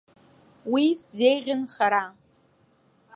Уи сзеиӷьын хара.